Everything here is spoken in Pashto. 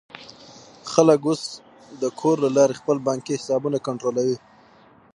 خلک اوس د کور له لارې خپل بانکي حسابونه کنټرولوي.